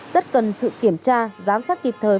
rất cần sự kiểm tra giám sát kịp thời